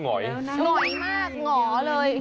หง่อยมากหงอเลย